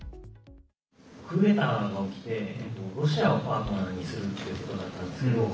クーデターが起きてロシアをパートナーにするってことだったんですけど。